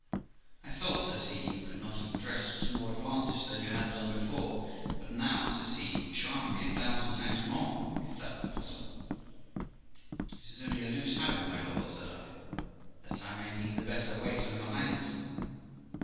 'I thought', says he, 'you could not have dressed to more advantage than you had done before ; but now ', says he, 'you charm me a thousand times more, if that be possible,' 'It is only a loose habit, my lord', said I, 'that I may the better wait on your Highness.'